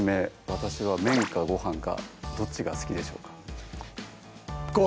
私は麺かご飯かどっちが好きでしょうか？